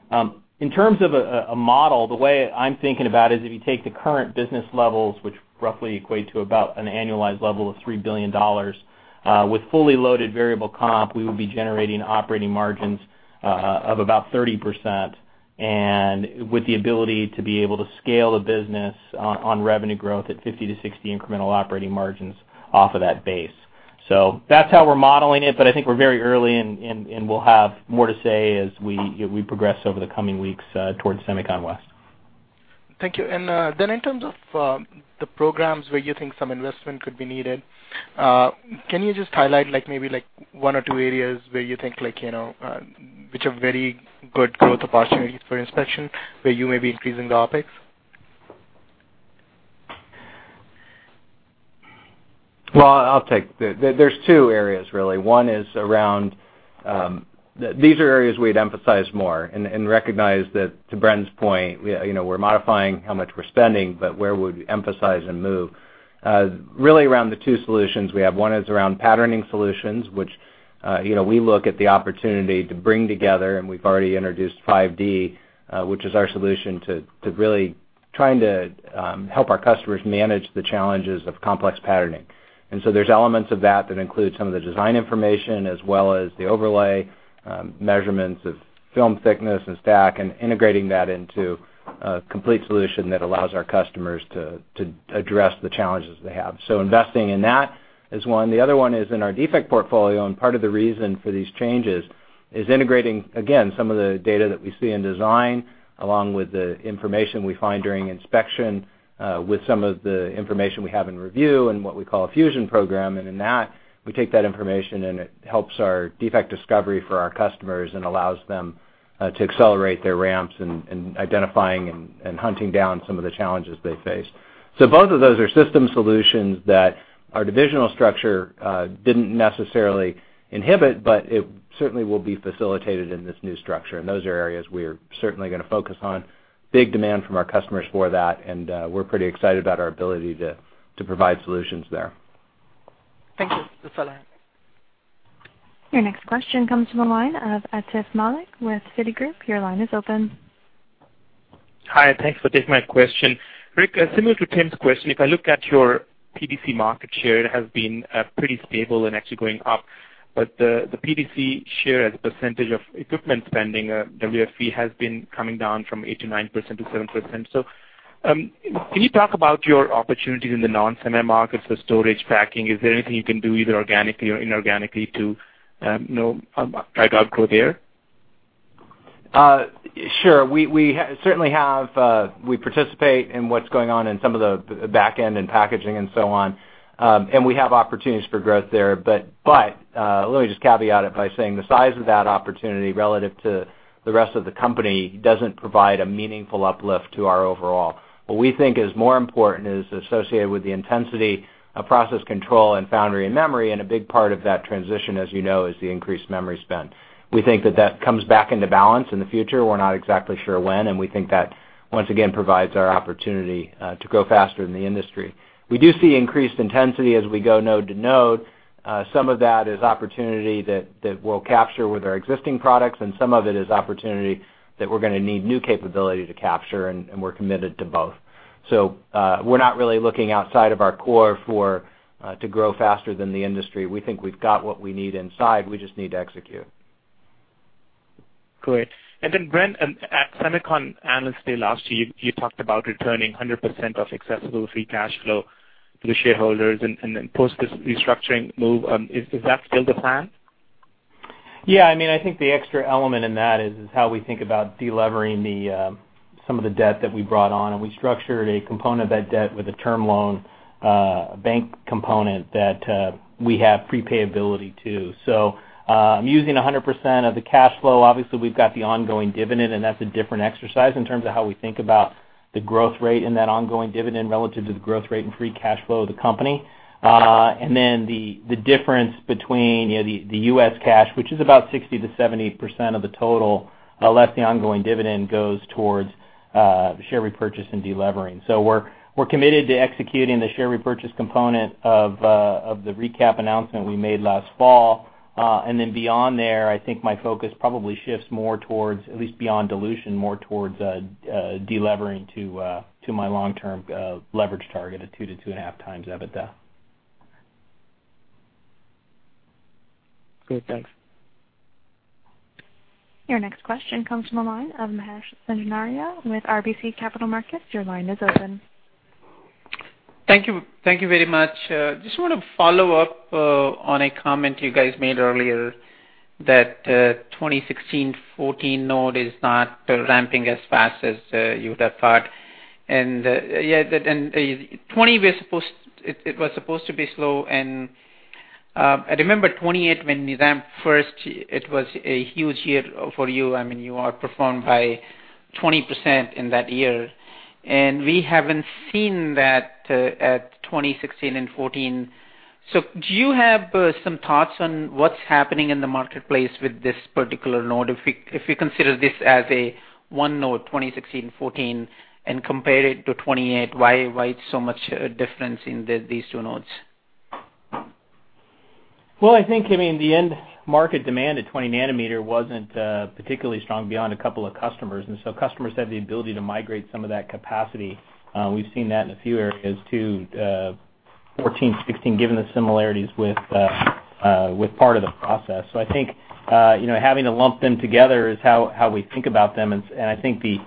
In terms of a model, the way I'm thinking about it is if you take the current business levels, which roughly equate to about an annualized level of $3 billion, with fully loaded variable comp, we would be generating operating margins of about 30%, and with the ability to be able to scale the business on revenue growth at 50%-60% incremental operating margins off of that base. That's how we're modeling it, but I think we're very early, and we'll have more to say as we progress over the coming weeks towards SEMICON West. Thank you. Then in terms of the programs where you think some investment could be needed, can you just highlight maybe one or two areas which have very good growth opportunities for inspection where you may be increasing the OpEx? Well, I'll take it. There's two areas really. These are areas we'd emphasize more and recognize that, to Bren's point, we're modifying how much we're spending, but where we would emphasize and move. Really around the two solutions we have. One is around patterning solutions, which we look at the opportunity to bring together, and we've already introduced 5D, which is our solution to really trying to help our customers manage the challenges of complex patterning. There's elements of that that include some of the design information as well as the overlay, measurements of film thickness and stack, and integrating that into a complete solution that allows our customers to address the challenges they have. Investing in that is one. The other one is in our defect portfolio, and part of the reason for these changes is integrating, again, some of the data that we see in design, along with the information we find during inspection, with some of the information we have in review and what we call a Fusion program, and in that, we take that information and it helps our defect discovery for our customers and allows them to accelerate their ramps in identifying and hunting down some of the challenges they face. Both of those are system solutions that our divisional structure didn't necessarily inhibit, but it certainly will be facilitated in this new structure. Those are areas we are certainly going to focus on. Big demand from our customers for that, and we're pretty excited about our ability to provide solutions there. Thank you. That's all I have. Your next question comes from the line of Atif Malik with Citigroup. Your line is open. Hi, thanks for taking my question. Rick, similar to Tim's question, if I look at your PDC market share, it has been pretty stable and actually going up. The PDC share as a percentage of equipment spending, WFE, has been coming down from 8% to 9% to 7%. Can you talk about your opportunities in the non-sem markets for storage packing? Is there anything you can do either organically or inorganically to drive up growth there? Sure. We participate in what's going on in some of the back end in packaging and so on. We have opportunities for growth there, but let me just caveat it by saying the size of that opportunity relative to the rest of the company doesn't provide a meaningful uplift to our overall. What we think is more important is associated with the intensity of process control in foundry and memory. A big part of that transition, as you know, is the increased memory spend. We think that that comes back into balance in the future, we're not exactly sure when, we think that once again provides our opportunity to grow faster than the industry. We do see increased intensity as we go node to node. Some of that is opportunity that we'll capture with our existing products, some of it is opportunity that we're going to need new capability to capture, we're committed to both. We're not really looking outside of our core to grow faster than the industry. We think we've got what we need inside, we just need to execute. Great. Bren, at Semiconductor analyst day last year, you talked about returning 100% of accessible free cash flow to the shareholders, post this restructuring move, is that still the plan? Yeah. I think the extra element in that is how we think about de-levering some of the debt that we brought on. We structured a component of that debt with a term loan, a bank component that we have prepayability to. Using 100% of the cash flow, obviously we've got the ongoing dividend. That's a different exercise in terms of how we think about the growth rate in that ongoing dividend relative to the growth rate and free cash flow of the company. The difference between the U.S. cash, which is about 60%-70% of the total, less the ongoing dividend, goes towards share repurchase and de-levering. We're committed to executing the share repurchase component of the recap announcement we made last fall. Beyond there, I think my focus probably shifts more towards, at least beyond dilution, more towards de-levering to my long-term leverage target of 2-2.5 times EBITDA. Great. Thanks. Your next question comes from the line of Mahesh Sanganeria with RBC Capital Markets. Your line is open. Thank you. Thank you very much. Just want to follow up on a comment you guys made earlier that 2016, 14-node is not ramping as fast as you would have thought. 20, it was supposed to be slow and I remember 28 when you ramped first, it was a huge year for you. You outperformed by 20% in that year, and we haven't seen that at 2016 and 14. Do you have some thoughts on what's happening in the marketplace with this particular node? If you consider this as a one node, 2016, 14, and compare it to 28, why so much difference in these two nodes? Well, I think, the end market demand at 20 nanometer wasn't particularly strong beyond a couple of customers. Customers had the ability to migrate some of that capacity. We've seen that in a few areas, too, 14, 16, given the similarities with part of the process. I think having to lump them together is how we think about them, and I think it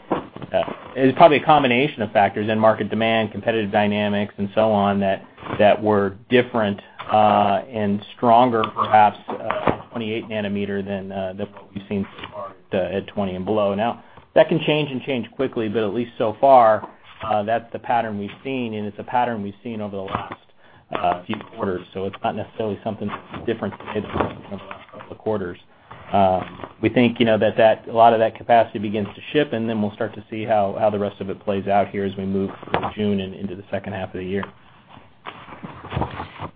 is probably a combination of factors: end market demand, competitive dynamics, and so on that were different, and stronger perhaps 28 nanometer than, what we've seen so far at 20 and below. That can change and change quickly, at least so far, that's the pattern we've seen, and it's a pattern we've seen over the last few quarters, it's not necessarily something different today than it's been over the last couple of quarters. We think that a lot of that capacity begins to ship, we'll start to see how the rest of it plays out here as we move through June and into the second half of the year.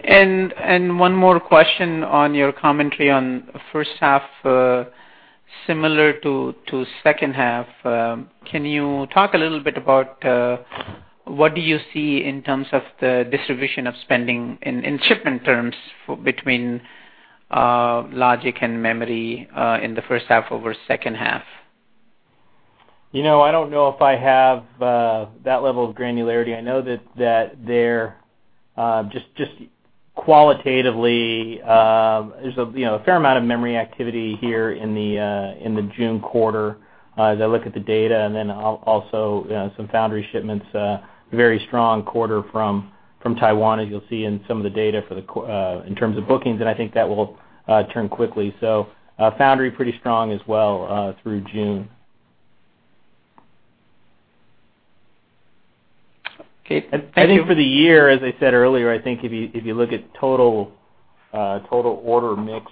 One more question on your commentary on first half, similar to second half. Can you talk a little bit about, what do you see in terms of the distribution of spending in shipment terms between logic and memory, in the first half over second half? I don't know if I have that level of granularity. I know that there, just qualitatively, there's a fair amount of memory activity here in the June quarter as I look at the data, also some foundry shipments, very strong quarter from Taiwan, as you'll see in some of the data in terms of bookings, I think that will turn quickly. Foundry pretty strong as well, through June. Okay. Thank you. I think for the year, as I said earlier, I think if you look at total order mix,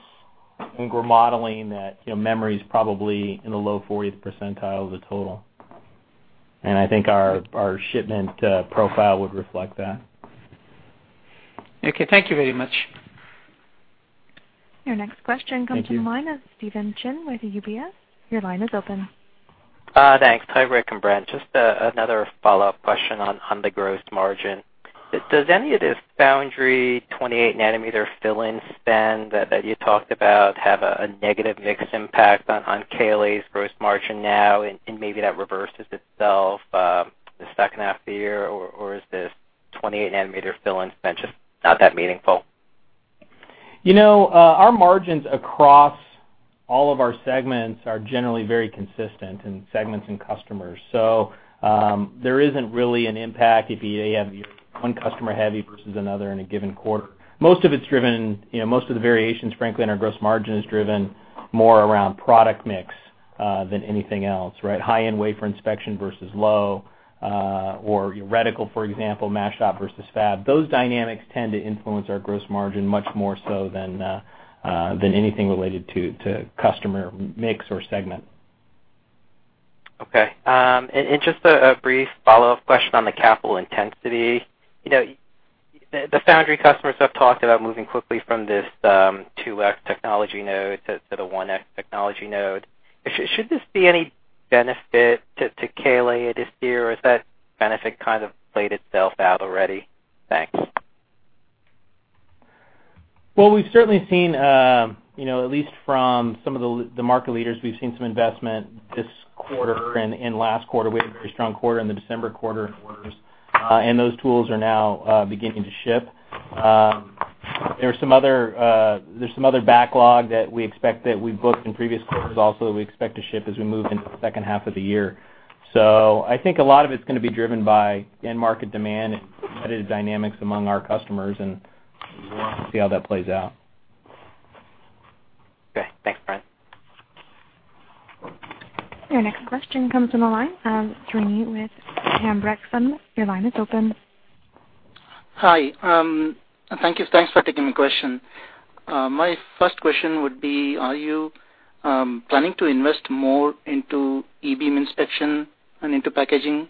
I think we're modeling that memory's probably in the low 40th percentile of the total. I think our shipment profile would reflect that. Okay. Thank you very much. Your next question comes- Thank you from the line of Stephen Chin with UBS. Your line is open. Thanks. Hi, Rick and Bren. Just another follow-up question on the gross margin. Does any of this foundry 28 nanometer fill-in spend that you talked about have a negative mix impact on KLA's gross margin now, and maybe that reverses itself the second half of the year, or is this 28 nanometer fill-in spend just not that meaningful? Our margins across all of our segments are generally very consistent in segments and customers. There isn't really an impact if you have one customer heavy versus another in a given quarter. Most of the variations, frankly, on our gross margin is driven more around product mix, than anything else, right. High-end wafer inspection versus low, or your reticle, for example, mask shop versus fab. Those dynamics tend to influence our gross margin much more so than anything related to customer mix or segment. Okay. Just a brief follow-up question on the capital intensity. The foundry customers have talked about moving quickly from this 2X technology node to the 1X technology node. Should this be any benefit to KLA this year, or has that benefit kind of played itself out already? Thanks. Well, at least from some of the market leaders, we've seen some investment this quarter and last quarter. We had a very strong quarter in the December quarter orders. Those tools are now beginning to ship. There's some other backlog that we expect that we've booked in previous quarters also, that we expect to ship as we move into the second half of the year. I think a lot of it's going to be driven by end market demand and competitive dynamics among our customers, and we'll see how that plays out. Okay. Thanks, Bren. Your next question comes from the line of [Srini] with [Hambrecht]. Your line is open. Hi. Thank you. Thanks for taking my question. My first question would be, are you planning to invest more into E-beam inspection and into packaging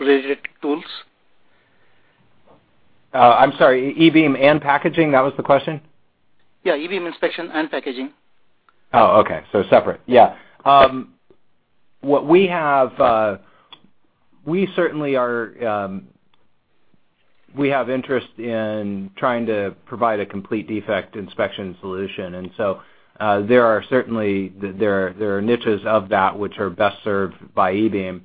related tools? I'm sorry, E-beam and packaging, that was the question? Yeah. E-beam inspection and packaging. Oh, okay. Separate. Yeah. We have interest in trying to provide a complete defect inspection solution. There are niches of that which are best served by E-beam.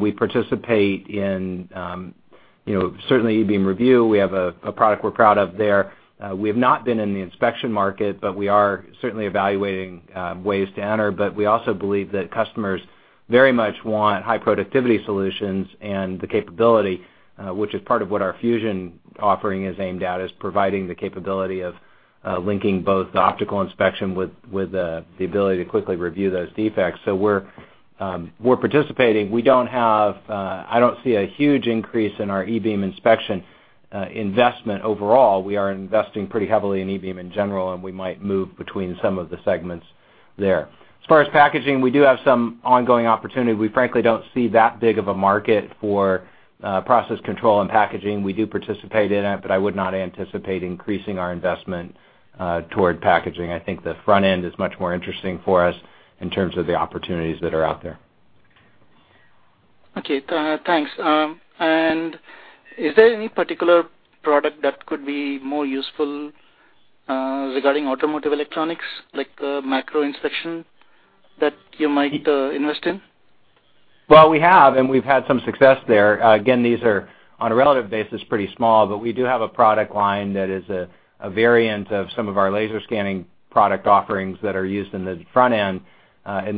We participate in, certainly E-beam review, we have a product we're proud of there. We have not been in the inspection market, but we are certainly evaluating ways to enter. We also believe that customers very much want high productivity solutions and the capability, which is part of what our Fusion offering is aimed at, is providing the capability of linking both the optical inspection with the ability to quickly review those defects. We're participating. I don't see a huge increase in our E-beam inspection investment overall. We are investing pretty heavily in E-beam in general, and we might move between some of the segments there. As far as packaging, we do have some ongoing opportunity. We frankly don't see that big of a market for process control and packaging. We do participate in it, I would not anticipate increasing our investment toward packaging. I think the front end is much more interesting for us in terms of the opportunities that are out there. Okay. Thanks. Is there any particular product that could be more useful, regarding automotive electronics, like a macro inspection that you might invest in? Well, we have, we've had some success there. Again, these are, on a relative basis, pretty small, we do have a product line that is a variant of some of our laser scanning product offerings that are used in the front end.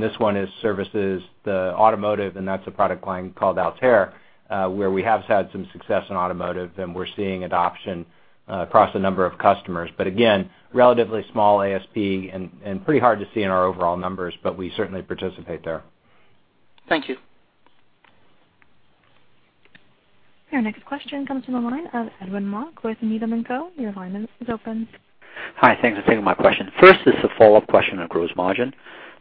This one services the automotive, that's a product line called Altair, where we have had some success in automotive, we're seeing adoption across a number of customers. Again, relatively small ASP and pretty hard to see in our overall numbers, but we certainly participate there. Thank you. Your next question comes from the line of Edwin Mok with Needham & Company. Your line is open. Hi. Thanks for taking my question. First is a follow-up question on gross margin.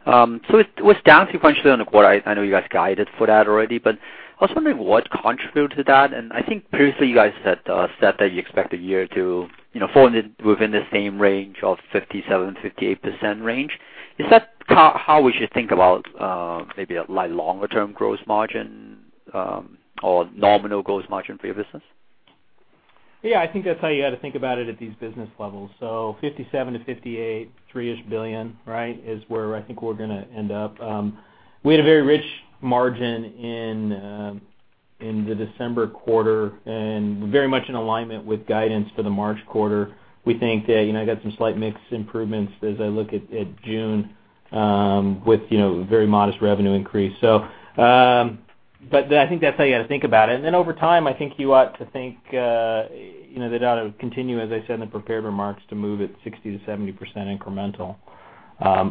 It was down sequentially on the quarter. I know you guys guided for that already, but I was wondering what contributed to that. I think previously you guys had said that you expect the year to fall within the 57%-58% range. Is that how we should think about maybe a longer-term gross margin, or nominal gross margin for your business? Yeah, I think that's how you got to think about it at these business levels. 57%-58%, $3 billion-ish, right? Is where I think we're going to end up. We had a very rich margin in the December quarter, and very much in alignment with guidance for the March quarter. We think that I got some slight mix improvements as I look at June, with very modest revenue increase. I think that's how you got to think about it. Over time, I think you ought to think the data would continue, as I said in the prepared remarks, to move at 60%-70% incremental.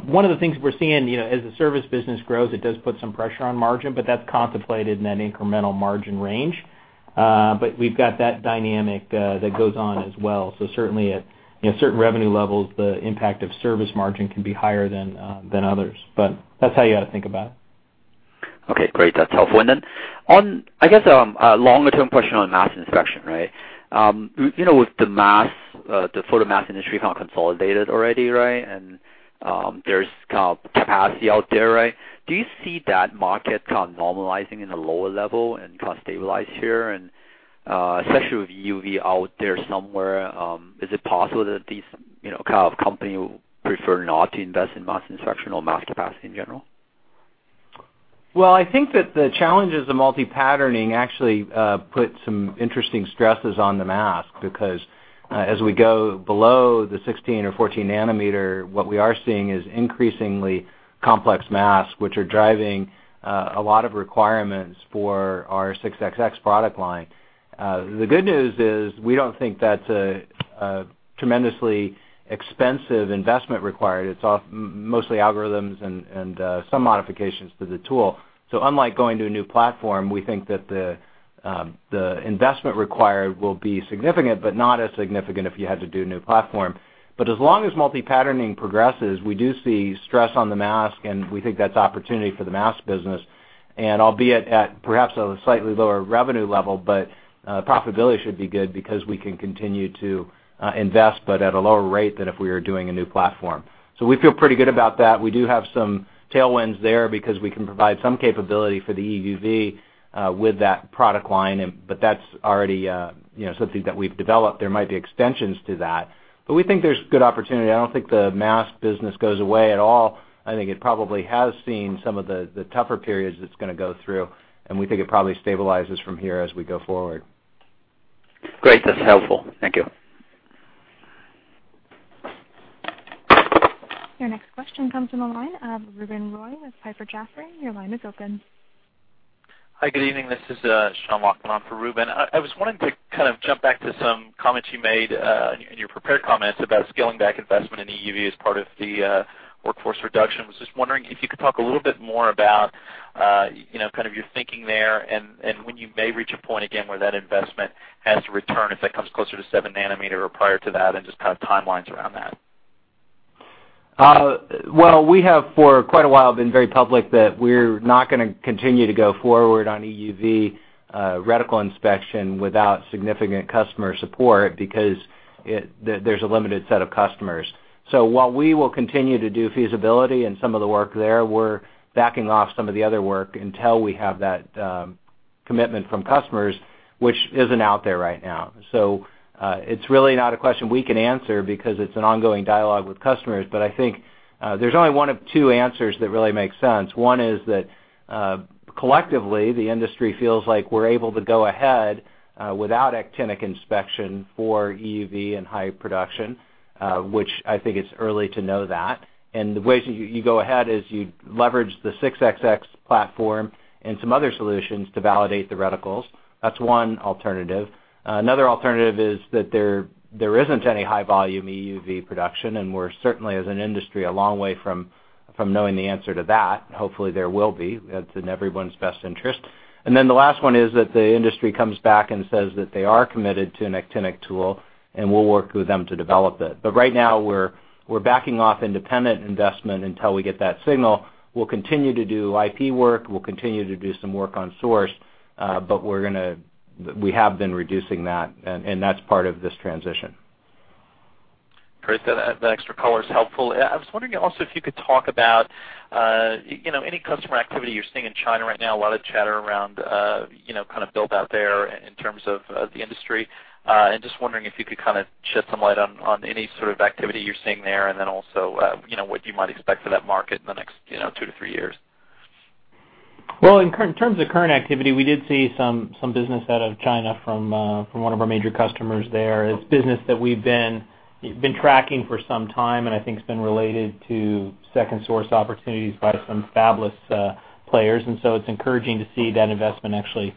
One of the things we're seeing, as the service business grows, it does put some pressure on margin, but that's contemplated in that incremental margin range. We've got that dynamic that goes on as well. Certainly at certain revenue levels, the impact of service margin can be higher than others. That's how you got to think about it. Okay, great. That's helpful. On, I guess, a longer-term question on mask inspection, right? With the photomask industry kind of consolidated already, right? And there's capacity out there, right? Do you see that market kind of normalizing in a lower level and kind of stabilize here, and, especially with EUV out there somewhere, is it possible that these kind of company would prefer not to invest in mask inspection or mask capacity in general? Well, I think that the challenges of multi-patterning actually put some interesting stresses on the mask, because as we go below the 16 or 14 nanometer, what we are seeing is increasingly complex masks, which are driving a lot of requirements for our 6xx product line. The good news is, we don't think that's a tremendously expensive investment required. It's mostly algorithms and some modifications to the tool. Unlike going to a new platform, we think that the investment required will be significant, but not as significant if you had to do a new platform. As long as multi-patterning progresses, we do see stress on the mask, and we think that's opportunity for the mask business. Albeit at perhaps a slightly lower revenue level, profitability should be good because we can continue to invest, but at a lower rate than if we were doing a new platform. We feel pretty good about that. We do have some tailwinds there because we can provide some capability for the EUV with that product line, but that's already something that we've developed. There might be extensions to that. We think there's good opportunity. I don't think the mask business goes away at all. I think it probably has seen some of the tougher periods it's going to go through, and we think it probably stabilizes from here as we go forward. Great. That's helpful. Thank you. Your next question comes from the line of Ruben Roy with Piper Jaffray. Your line is open. Hi, good evening. This is Sean Walkin on for Ruben. I just wanted to kind of jump back to some comments you made in your prepared comments about scaling back investment in EUV as part of the workforce reduction. Was just wondering if you could talk a little bit more about kind of your thinking there and when you may reach a point again where that investment has to return, if that comes closer to seven nanometer or prior to that, and just kind of timelines around that. We have for quite a while been very public that we're not going to continue to go forward on EUV reticle inspection without significant customer support because there's a limited set of customers. While we will continue to do feasibility and some of the work there, we're backing off some of the other work until we have that commitment from customers, which isn't out there right now. It's really not a question we can answer because it's an ongoing dialogue with customers. I think there's only one of two answers that really make sense. One is that, collectively, the industry feels like we're able to go ahead without actinic inspection for EUV and high production, which I think it's early to know that. The way you go ahead is you leverage the 6xx platform and some other solutions to validate the reticles. That's one alternative. Another alternative is that there isn't any high volume EUV production, and we're certainly as an industry a long way from knowing the answer to that. Hopefully there will be. That's in everyone's best interest. The last one is that the industry comes back and says that they are committed to an actinic tool, and we'll work with them to develop it. Right now we're backing off independent investment until we get that signal. We'll continue to do IP work, we'll continue to do some work on source, but we have been reducing that, and that's part of this transition. Great. That extra color is helpful. I was wondering also if you could talk about any customer activity you're seeing in China right now. A lot of chatter around kind of build out there in terms of the industry. Just wondering if you could kind of shed some light on any sort of activity you're seeing there, and then also, what you might expect for that market in the next two to three years. Well, in terms of current activity, we did see some business out of China from one of our major customers there. It's business that we've been tracking for some time, and I think it's been related to second source opportunities by some fabless players. It's encouraging to see that investment actually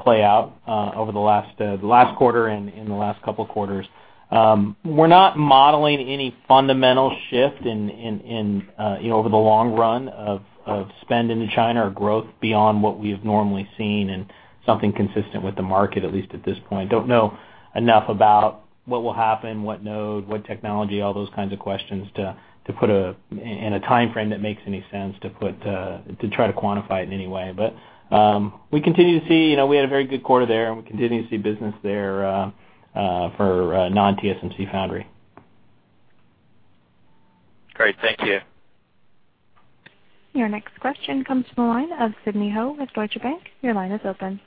Play out over the last quarter and in the last couple of quarters. We're not modeling any fundamental shift over the long run of spend into China or growth beyond what we've normally seen and something consistent with the market, at least at this point. Don't know enough about what will happen, what node, what technology, all those kinds of questions, in a timeframe that makes any sense to try to quantify it in any way. We continue to see, we had a very good quarter there, and we continue to see business there for non-TSMC foundry. Great. Thank you. Your next question comes from the line of Sidney Ho with Deutsche Bank. Your line is open.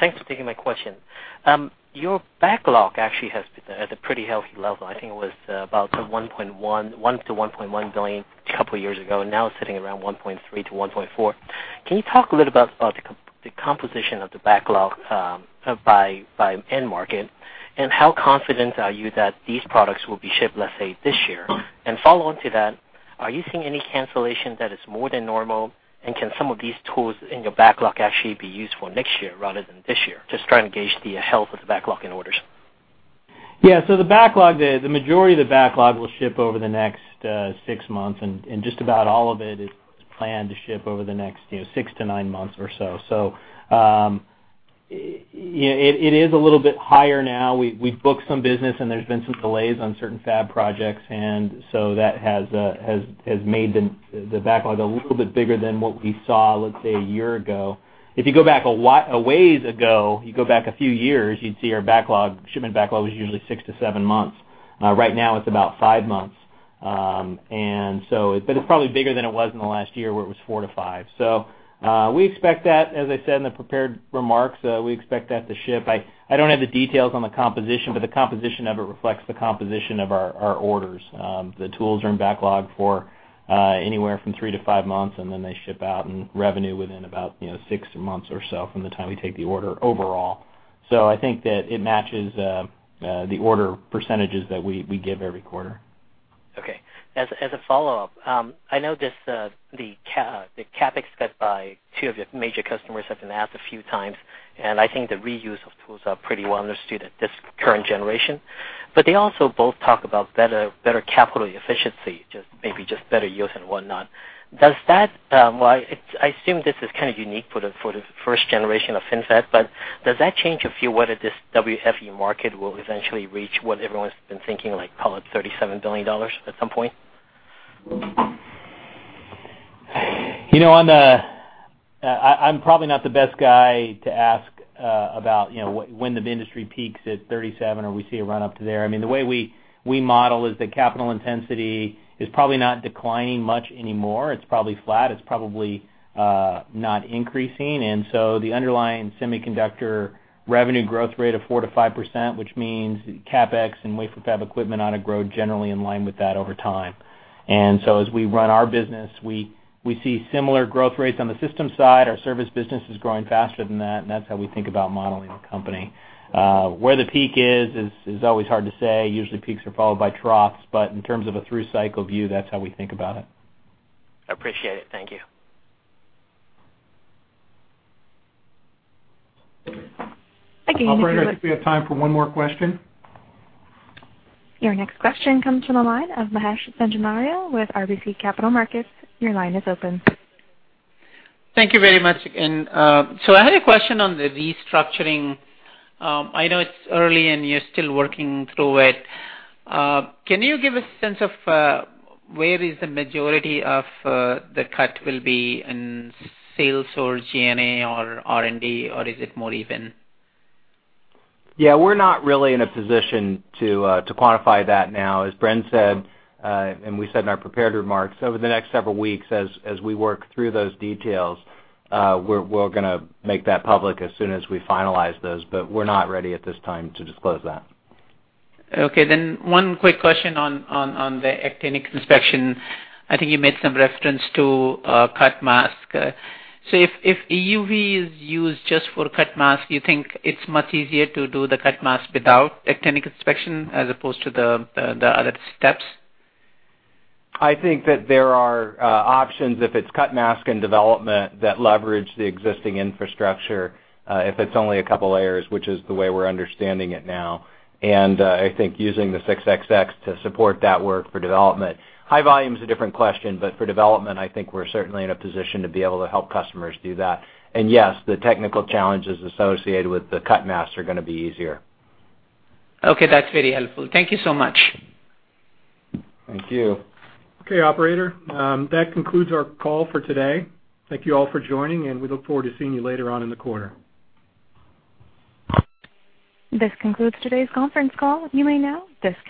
Thanks for taking my question. Your backlog actually has been at a pretty healthy level. I think it was about $1 billion-$1.1 billion a couple of years ago, now it is sitting around $1.3 billion-$1.4 billion. Can you talk a little about the composition of the backlog by end market, and how confident are you that these products will be shipped, let's say, this year? Follow on to that, are you seeing any cancellation that is more than normal, and can some of these tools in your backlog actually be used for next year rather than this year? Just trying to gauge the health of the backlog in orders. Yeah. The majority of the backlog will ship over the next six months, and just about all of it is planned to ship over the next six to nine months or so. It is a little bit higher now. We've booked some business, and there's been some delays on certain fab projects. That has made the backlog a little bit bigger than what we saw, let's say, a year ago. If you go back a ways ago, you go back a few years, you'd see our shipment backlog was usually six to seven months. Right now it's about five months. It's probably bigger than it was in the last year, where it was four to five. We expect that, as I said in the prepared remarks, we expect that to ship. I don't have the details on the composition, the composition of it reflects the composition of our orders. The tools are in backlog for anywhere from three to five months, and then they ship out and revenue within about six months or so from the time we take the order overall. I think that it matches the order percentages that we give every quarter. Okay. As a follow-up, I know the CapEx cut by two of your major customers has been asked a few times, and I think the reuse of tools are pretty well understood at this current generation. They also both talk about better capital efficiency, maybe just better use and whatnot. I assume this is kind of unique for the first generation of FinFET, does that change your view whether this WFE market will eventually reach what everyone's been thinking, like call it $37 billion at some point? I'm probably not the best guy to ask about when the industry peaks at 37 or we see a run-up to there. The way we model is that capital intensity is probably not declining much anymore. It's probably flat. It's probably not increasing. The underlying semiconductor revenue growth rate of 4%-5%, which means CapEx and wafer fab equipment on average grow generally in line with that over time. As we run our business, we see similar growth rates on the systems side. Our service business is growing faster than that, and that's how we think about modeling the company. Where the peak is always hard to say. Usually peaks are followed by troughs, but in terms of a through cycle view, that's how we think about it. Appreciate it. Thank you. Thank you. Operator, I think we have time for one more question. Your next question comes from the line of Mahesh Sanganeria with RBC Capital Markets. Your line is open. Thank you very much again. I had a question on the restructuring. I know it's early and you're still working through it. Can you give a sense of where is the majority of the cut will be, in sales or G&A or R&D, or is it more even? We're not really in a position to quantify that now. As Bren said, and we said in our prepared remarks, over the next several weeks, as we work through those details, we're going to make that public as soon as we finalize those, we're not ready at this time to disclose that. One quick question on the actinic inspection. I think you made some reference to cut mask. If EUV is used just for cut mask, you think it's much easier to do the cut mask without actinic inspection as opposed to the other steps? I think that there are options, if it's cut mask and development, that leverage the existing infrastructure, if it's only a couple of layers, which is the way we're understanding it now. I think using the 6xx to support that work for development. High volume is a different question, but for development, I think we're certainly in a position to be able to help customers do that. Yes, the technical challenges associated with the cut masks are going to be easier. Okay. That's very helpful. Thank you so much. Thank you. Okay, operator. That concludes our call for today. Thank you all for joining, and we look forward to seeing you later on in the quarter. This concludes today's conference call. You may now disconnect.